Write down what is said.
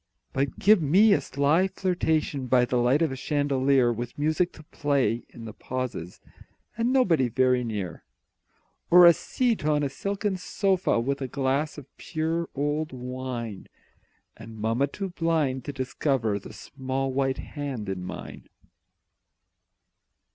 But give me a sly flirtation By the light of a chandelier With music to play in the pauses, And nobody very near; Or a seat on a silken sofa, With a glass of pure old wine, And mamma too blind to discover The small white hand in mine.